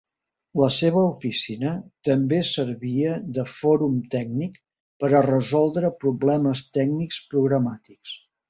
La seva oficina també servia de fòrum tècnic per a resoldre problemes tècnics programàtics.